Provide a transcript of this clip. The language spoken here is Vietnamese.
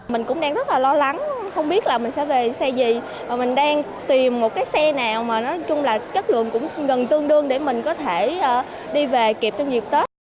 mình cũng đang rất là lo lắng không biết là mình sẽ về xe gì và mình đang tìm một cái xe nào mà nói chung là chất lượng cũng gần tương đương để mình có thể đi về kịp trong dịp tết